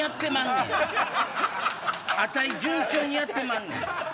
あたい順調にやってまんねん。